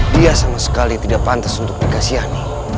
dia sama sekali tidak pantas untuk dikasihani